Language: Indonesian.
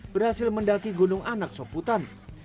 berhasil mendaki gunung anak soputan